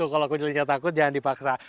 tuh kalau aku jalan yang takut jangan dipaksa